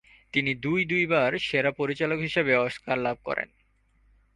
তিনি দুই দুইবার সেরা পরিচালক হিসেবে অস্কার লাভ করেন।